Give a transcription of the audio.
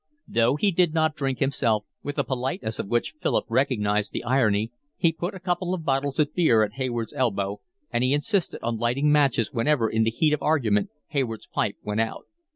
Though he did not drink himself, with a politeness of which Philip recognised the irony, he put a couple of bottles of beer at Hayward's elbow, and he insisted on lighting matches whenever in the heat of argument Hayward's pipe went out.